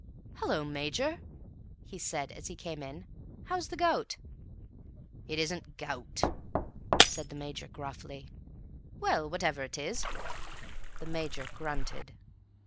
"Hallo, Major," he said as he came in, "how's the gout?" "It isn't gout," said the Major gruffly. "Well, whatever it is." The Major grunted.